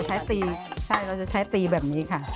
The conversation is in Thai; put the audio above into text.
ใช้ตีใช่เราจะใช้ตีแบบนี้ค่ะ